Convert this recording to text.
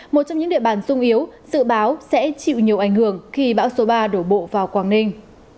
một trong những địa bàn sung yếu dự báo sẽ chịu nhiều ảnh hưởng khi bão số ba đổ bộ vào quảng ninh